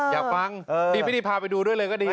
อยากฟังดีพิธีพาไปดูด้วยเลยก็ดี